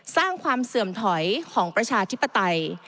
สร้างความเสื่อมถอยของประชาธิปไตย